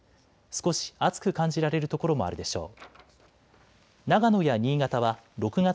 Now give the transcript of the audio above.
少し暑く感じられる所もあるでしょう。